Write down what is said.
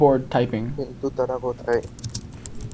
কিন্তু, তারা কোথায়?